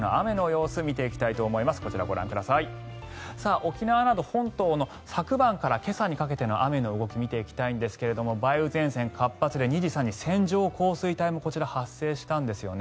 沖縄など本島の昨晩から今朝にかけての雨雲ですが梅雨前線が活発で２時、３時に線状降水帯もこちら、発生したんですよね。